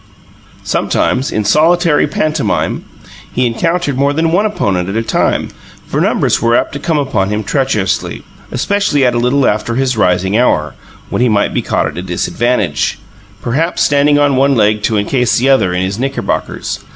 Sometimes, in solitary pantomime, he encountered more than one opponent at a time, for numbers were apt to come upon him treacherously, especially at a little after his rising hour, when he might be caught at a disadvantage perhaps standing on one leg to encase the other in his knickerbockers.